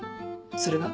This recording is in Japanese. それが？